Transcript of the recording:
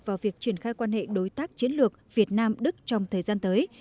vào việc triển khai quan hệ đối tác chiến lược việt nam đức trong thời gian tới